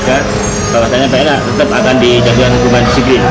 kalau tanya pna tetap akan di jadikan hukuman sipil